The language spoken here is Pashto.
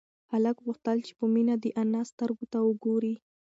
هلک غوښتل چې په مينه د انا سترگو ته وگوري.